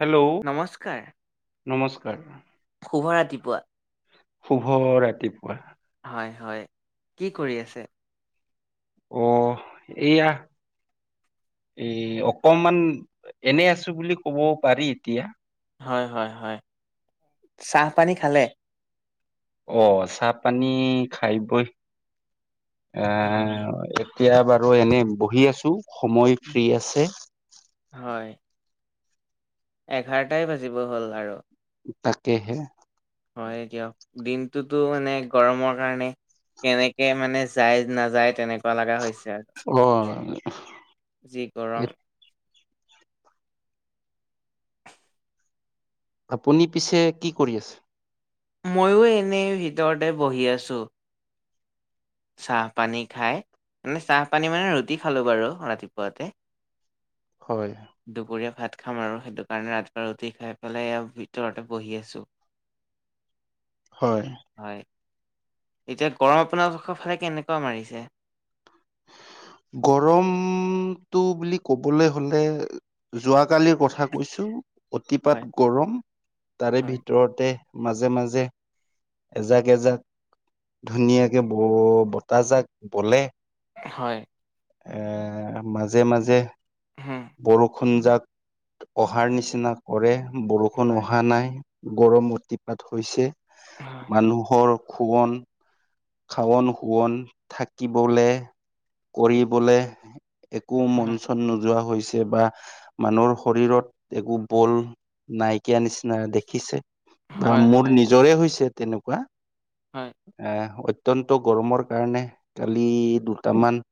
Hello নমস্কাৰ। নমস্কাৰ। শুভ ৰাতিপুৱা। শুভ ৰাতিপুৱা। হয় হয়, কি কৰি আছে? অহ' এইয়া- এই অকমান এনেই আছো বুলি ক'ব পাৰি এতিয়া। হয় হয় হয়, চাহ পানী খালে? অহ' চাহ পানী খাই বই হয়, আঁহ- এতিয়া বাৰু এনেই বহি আছো, সময় ফ্ৰী আছে। হয়। এঘাৰটাই বাজিব হ'ল আৰু। তাকেহে। হয় দিয়ক, দিনটোতো মানে গৰমৰ কাৰণে- কেনেকে মানে যায় নাযায় তেনেকুৱা লগা হৈছে আৰু। অহ' যি গৰম। আপুনি পিছে কি কৰি আছে? ময়ো এনেই ভিতৰতে বহি আছোঁ। চাহপানী খাই মানে চাহপানী মানে ৰুটি খালোঁ বাৰু ৰাতিপুৱাতে। [inaudible] হয়। দুপৰীয়া ভাত খাম আৰু সেইটো কাৰণে আধা ৰুটি খাই পেলাই এয়া ভিতৰতে বহি আছো। [inaudible] হয়। হয়। এতিয়া গৰম আপোনালোকৰ ফালে কেনেকুৱা মাৰিছে? গৰম টো বুলি ক'বলে হলে- যোৱাকালিৰ কথা কৈছো, হয়, অতিপাত গৰম তাৰে হয়। ভিতৰতে- মাজে মাজে এজাক এজাক- ধুনীয়াকে ব বতাহজাক বলে। হয়। এ মাজে মাজে- হুম। বৰষুণ জাক অহাৰ নিচিনা কৰে বৰষ- ষুণ হয়। অহা নাই গৰম অতিপাত হৈছে হয়, মানুহৰ খোৱন- খাৱন শুৱন থাকিবলে কৰিবলে- একো মন হয়, চন নোযোৱা হৈছে বা- মানুহৰ শৰীৰত একো বল নাইকিয়া নিচিনা দেখিছে। বা হয়, মোৰ হয়, নিজৰে হৈছে তেনেকুৱা। হয়। এঁহ অত্যন্ত গৰমৰ কাৰণে কালি দুটামান-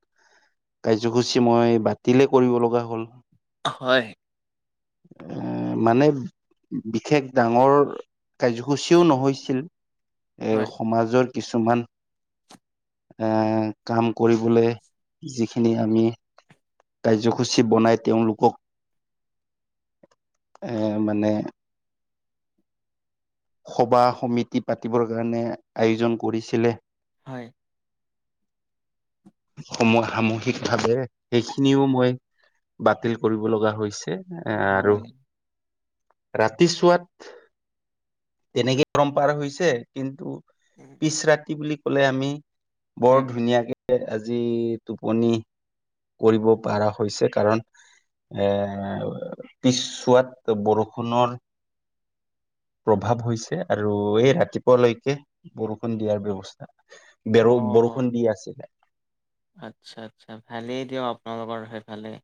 কাৰ্যসূচী মই বাতিলে কৰিব লগা হ'ল। হয় [inaudible] মানে বিশেষ ডাঙৰ কাৰ্যসূচীও নহৈছিল। এ হয়, সমাজৰ কিছুমান এ কাম কৰিবলে যিখিনি আমি কাৰ্যসূচী বনাই তেওঁলোকক এ মানে সভা সমিতি পাতিবৰ কাৰণে আয়োজন কৰিছিলে। হয় সময় সামহিক ভাৱে সেইখিনিও মই বাতিল কৰিব লগা হৈছে। এ আৰু হয়। ৰাতি চোৱাত তেনেকেই পৰম্পাৰ হৈছে কিন্তু উম, পিছ ৰাতি বুলি কলে আমি বৰ উম, উম। ধুনীয়াকে আজি টোপনি কৰিব পৰা হৈছে কাৰণ এৰ পিছছুৱাত বৰষুণৰ প্ৰভাৱ হৈছে আৰু এই ৰাতিপুৱালৈকে বৰষুণ দিয়াৰ ব্যৱস্থা বেৰ অ', বৰষুণ দি আছিলে আচ্ছা আচ্ছা ভালেই দিয়ক আপোনালোকৰ সেইফালে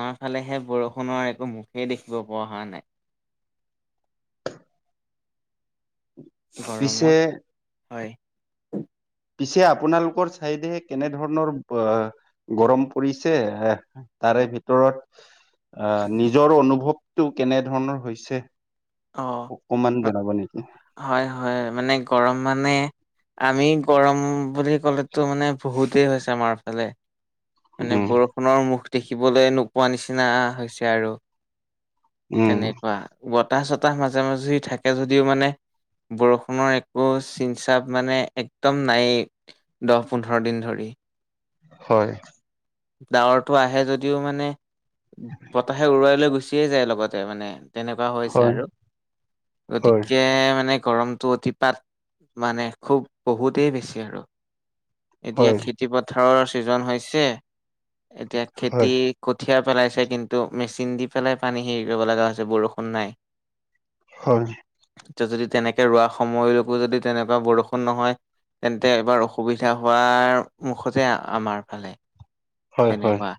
আমাৰ ফালেহে বৰষুণৰ একো মুখেই দেখিব পোৱা হোৱা নাই। পিছে গৰমত হয় পিছে আপোনালোকৰ চাইডে কেনে ধৰণৰ গৰম পৰিছে এ তাৰে ভিতৰত নিজৰ অনুভৱটো কেনে ধৰণৰ হৈছে। অ' অ'কমান জনাব নেকি? হয়, হয়, মানে গৰম মানে আমি গৰম বুলি ক'লেতো মানে বহুতেই হৈছে আমাৰ ফালে। মানে উম বৰষুণৰ মুখ দেখিবলৈ নোপোৱা নিচিনা হৈছে আৰু উম তেনেকুৱা বতাহ চতাহ মাজে মাজে থাকে যদিও মানে বৰষুণৰ একো চিনচাপ মানে একদম নায়েই। দহ পোন্ধৰ দিন ধৰি। হয় ডাৱৰটো আহে যদিও মানে বতাহে উৰুৱাই লৈ গুচিয়ে যায় লগতে মানে। তেনেকুৱা হৈছে হয় আৰু হয় গতিকে মানে গৰমটো অতিপাত মানে খুব বহুতেই বেছি আৰু এতিয়া হয় খেতিপথাৰৰ ছিজন হৈছে এতিয়া খেতি হয় কঠীয়া পেলাইছে কিন্তু মেচিন দি পেলাই পানী হেৰি কৰিব লগা হৈছে বৰষুণ নাই। হয় এতিয়া যদি তেনেকে ৰোৱা সময়লৈকো যদি তেনেকুৱা বৰষুণ নহয় তেন্তে এবাৰ অসুবিধা হোৱাৰ মুখতে আমাৰ ফালে। হয়, হয়। তেনেকুৱা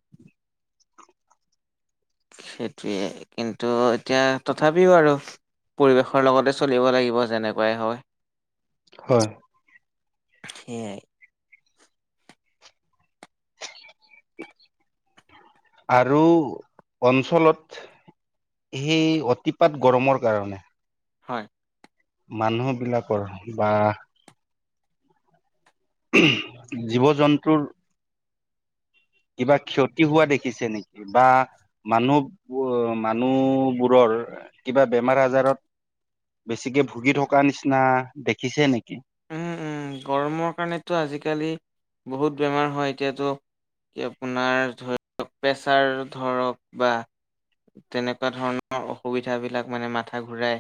সেইটোৱে কিন্তু এতিয়া তথাপিও আৰু পৰিৱেশৰ লগতে চলিব লাগিব যেনেকুৱাই হয়। হয় সেয়াই আৰু অঞ্চলত সেই অতিপাত গৰমৰ কাৰণে হয়। মানুহ বিলাকৰ বা জীৱ-জন্তুৰ কিবা ক্ষতি হোৱা দেখিছে নেকি? বা মানুহ বোৰ মানুহবোৰৰ কিবা বেমাৰ আজাৰত বেছিকে ভুগি থকা নিচিনা দেখিছে নেকি? উম উম। গৰমৰ কাৰণেতো আজিকালি বহুত বেমাৰ হয়। এতিয়াতো এই, আপোনাৰ ধৰক প্ৰেছাৰ ধৰক বা তেনেকুৱা ধৰণৰ অসুবিধাবিলাক মানে মাথা ঘূৰাই,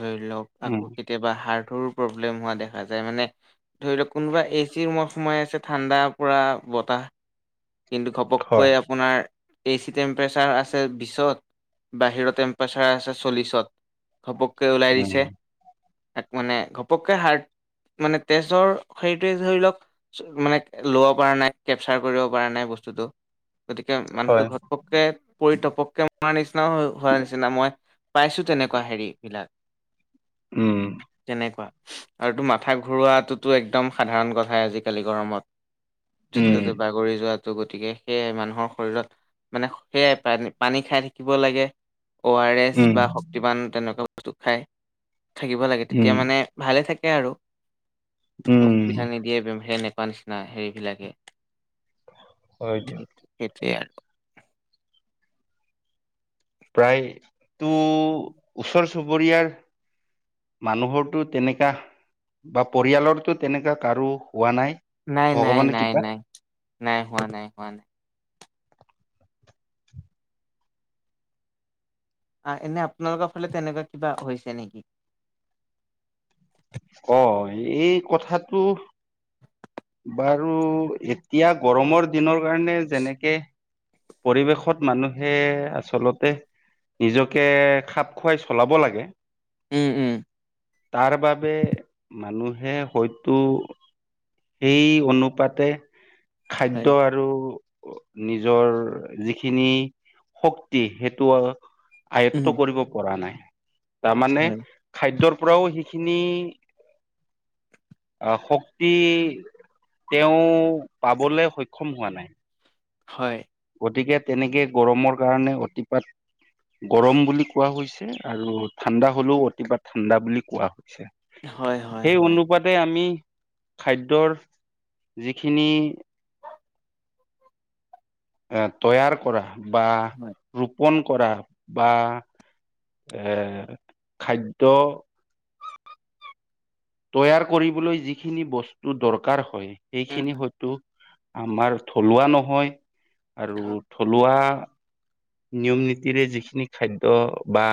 ধৰি লওঁক উম আকৌ কেতিয়াবা হাৰ্টৰো প্ৰব্লেম হোৱা দেখা যায় মানে ধৰি লওক কোনোবা এচি ৰুমত সোমাই আছে ঠাণ্ডা পৰা বতাহ কিন্তু ঘপককৈ হয় আপোনাৰ এচি টেম্পাৰেচাৰ আছে বিশত বাহিৰৰ টেম্পাৰচাৰ আছে চল্লিশত ঘপককৈ ওলাই দিছে উম এক মানে ঘপ পকে হাৰ্ট, মানে তেজৰ হেৰিটোৱে ধৰি লওঁক মানে ল'ব পৰা নাই। কেপচাৰ কৰিব পৰা নাই বস্তুটো। গতিকে মানুহটোৰ হয় ঘপকে পৰি তপকে হোৱাৰ নিচিনা হো-হোৱাৰ নিচিনা। মই পাইছোঁ তেনেকুৱা হেৰি উম বিলাক। তেনেকুৱা। আৰুতো মাথা ঘূৰোৱাটোতো একদম সাধাৰণ কথাই আজিকালি গৰমত। য'তে উম ত'তে বাগৰি যোৱাটো। গতিকে সেয়ে মানুহৰ শৰীৰত মানে সেয়াই, পানী-পানী খাই থাকিব লাগে। অ আৰ এছ উম বা শক্তিবান তেনেকুৱা বস্তু খাই থাকিব লাগে। তেতিয়া উম মানে ভালে থাকে আৰু। উম অসুবিধা নিদিয়ে। [unintelligible] নাই সেইবিলাকে। হয় দিয়ক সেইটোৱে আৰু। প্ৰায়তো ওচৰ-চুবুৰীয়াৰ মানুহৰটো তেনেকা বা পৰিয়ালৰো তেনেকা কাৰো হোৱা নাই। ভগৱানৰ কৃপাত নাই-নাই-নাই-নাই। নাইহোৱা, নাইহোৱা। আ এনে আপোনালোকৰ ফালে তেনেকুৱা কিবা হৈছে নেকি? অ এই কথাটো বাৰু এতিয়া গৰমৰ দিনৰ কাৰণে যেনেকে পৰিৱেশত মানুহে আচলতে নিজকে খাপ খুৱাই চলাব লাগে। উম উম। তাৰ বাবে মানুহে হয়তো সেই অনুপাতে খাদ্য হয় আৰু নিজৰ যিখিনি শক্তি সেইটো আ উম আয়ত্ব কৰিব পৰা নাই। তাৰমানে হয় খাদ্য পৰাও সেইখিনি আ শক্তি তেওঁ পাবলৈ সক্ষম হোৱা নাই। হয়। গতিকে তেনেকে গৰমৰ কাৰণে অতিপাত গৰম বুলি কোৱা হৈছ আৰু ঠাণ্ডা হ'লেও অতিপাত ঠাণ্ডা বুলি কোৱা হৈছে। হয় হয় সেই হয় অনু পুৱাতে আমি খাদ্যৰ যিখিনি এ' তৈয়াৰ কৰা, বা হয়। ৰোপন কৰা, বা এ' খাদ্য তৈয়াৰ কৰিবলৈ যিখিনি বস্তু দৰকাৰ হয়। উম সেইখিনি হয়তো আমাৰ থলুৱা নহয়। হয়। আৰু থলুৱা নিয়ম-নীতিৰে যিখিনি খাদ্য বা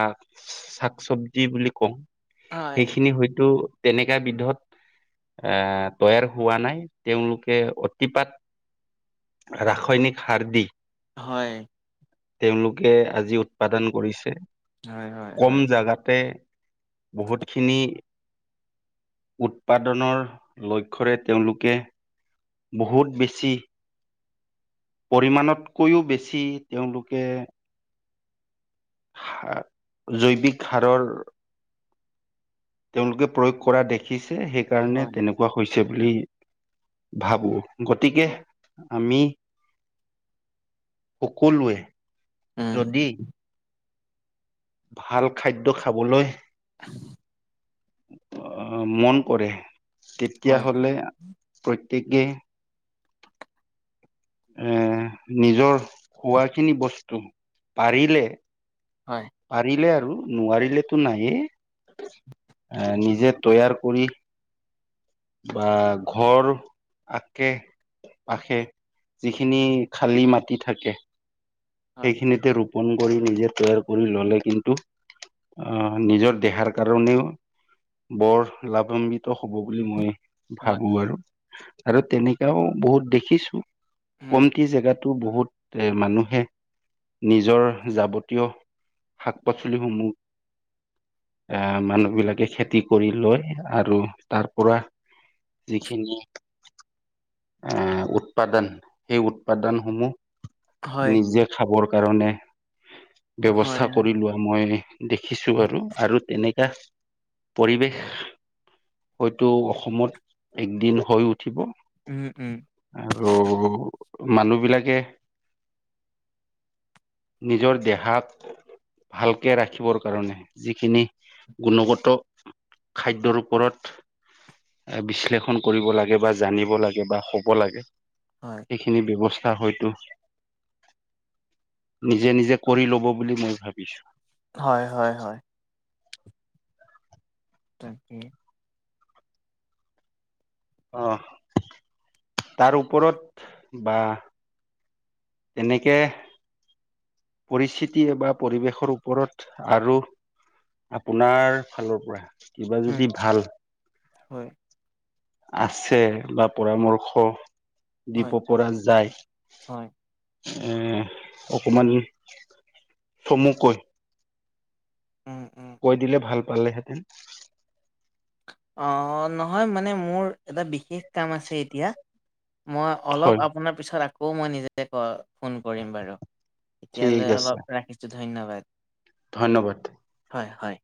শাক চব্জি বুলি কওঁ। হয়, সেইখিনি হয়তো তেনেকা বিধত এ, তৈয়াৰ হোৱা নাই, তেওঁলোকে অতিপাত ৰাসায়নিক সাৰ দি হয়। তেওঁলোকে আজি উৎপাদন কৰিছে, হয়, হয়, কম হয়। জাগাতে। বহুত খিনি উৎপাদনৰ লক্ষৰে তেঁওলোকে বহুত বেছি পৰিমাণতকৈও বেছি তেওঁলোকে জৈৱিক সাৰৰ তেওঁলোকে প্ৰয়োগ কৰা দেখিছে, সেইকাৰণে হয়, তেনেকুৱা হৈছে বুলি ভাবো। গতিকে হয় আমি সকলোৱে উম, যদি ভাল খাদ্য খাবলৈ [unintelligible] অ, মন কৰে, হয়, তেতিয়াহলে প্ৰত্যেকে এ, নিজৰ পোৱাখিনি বস্তু, পাৰিলে হয়। পাৰিলে আৰু নোৱাৰিলেতো নাইয়ে, নিজে তৈয়াৰ কৰি। বা ঘৰ আশে পাশে যিখিনি খালী মাটি থাকে। হয়, সেইখিনিতে ৰোপন কৰি নিজে তৈয়াৰ কৰি ললে, কিন্তু অ', নিজৰ দেহাৰ কাৰণেও বৰ লাভান্বিত হ'ব বুলি মই হয়, ভাবো আৰু, আৰু তেনেকাও বহুত দেখিছো, উম, কমটি জেগাত। তো বহুত এ মানুহে নিজৰ যাৱতীয় শাক-পাচলি সমূহ আ, মানুহ বিলাকে খেতি কৰি লয় আৰু তাৰ পৰা যিখিনি আ উৎপাদন, সেই উৎপাদনসমূহ হয়, নিজে খাবৰ কাৰণে, হয়, ব্যৱস্থা কৰি লোৱা মই দেখিছো বাৰু। আৰু তেনেকা পৰিৱেশ হয়তো অসমত, একদিন হৈ উঠিব। উম, উম। আৰু মানুহ বিলাকে নিজৰ দেহাত ভালকে ৰাখিবৰ কাৰণে, যিখিনি গুণগত খাদ্যৰ ওপৰত বিশ্লেষণ কৰিব লাগে বা জানিব লাগে বা হ'ব লাগে। হয়। এইখিনি ব্যৱস্থা হয়তো নিজে নিজে কৰি ল'ব বুলি মই ভাবিছো। হয়, হয়, হয়। তাকে। অ'। তাৰ ওপৰত বা তেনেকে পৰিস্থিতি বা পৰিৱেশৰ ওপৰত আৰু আপোনাৰ ফালৰ পৰা কিবা উম, যদি ভাল হয়, আছে বা পৰামৰ্শ হয়, দিব পৰা যায় হয়, উম অকণমান চমুকৈ উম উম কৈ দিলে ভাল পালে হেঁতেন। অ নহয় মানে মোৰ এটা বিশেষ কাম আছে এতিয়া মই অলপ হয় আপোনাৰ পিছত আকৌ মই নিজে ক ফোন কৰিম বাৰু ঠিক এতিয়ালৈ আছে অলপ ৰা খিছো ধন্যবাদ। ধন্যবাদ। হয় হয়।